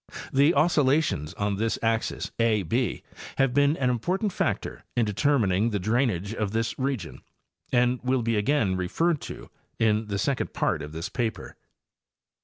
The oscillations on this axis A B have been an important factor in determin ine the drainage of this region and will be again referred to in the second part of this paper.